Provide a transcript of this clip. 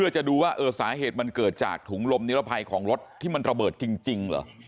จะดูว่าสาเหตุมันเกิดจากถุงลมนิรภัยของรถที่มันระเบิดจริงเหรอ